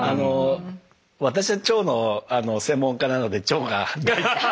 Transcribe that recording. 私は腸の専門家なので腸が。